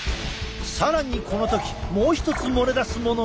さらにこの時もう一つ漏れ出すものが。